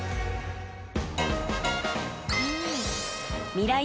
［ミライ☆